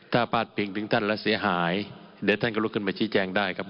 ถ้าพลาดพิงถึงท่านแล้วเสียหายเดี๋ยวท่านก็ลุกขึ้นมาชี้แจงได้ครับ